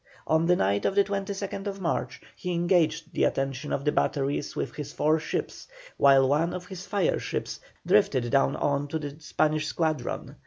On the night of the 22nd March he engaged the attention of the batteries with his four ships while one of his fire ships drifted down on to the Spanish squadron.